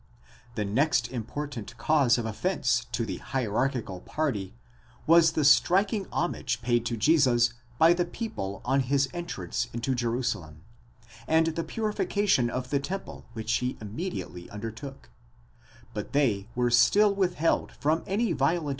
The next important cause of offence to the hierarchical party, was the striking homage paid to Jesus by the people on his entrance into Jerusalem, and the purifica tion of the temple which he immediately undertook: but they were still with held from any violent.